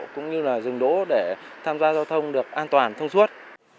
cũng như là dừng đỗ để tham gia giao thông được an toàn thông suốt